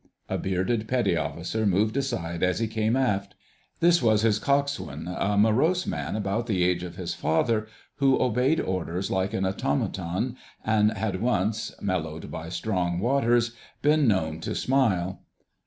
A bearded petty officer moved aside as he came aft. This was his Coxswain, a morose man about the age of his father, who obeyed orders like an automaton, and had once (mellowed by strong waters) been known to smile.